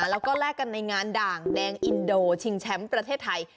แล้วก็แลกกันในงานด่างแดงอินโดชิงแชมป์ประเทศไทย